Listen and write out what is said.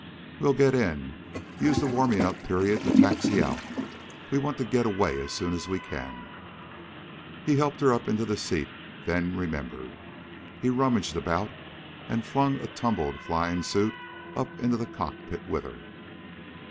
"We'll get in. Use the warming up period to taxi out. We want to get away as soon as we can." He helped her up into the seat, then remembered. He rummaged about and flung a tumbled flying suit up in the cockpit with her.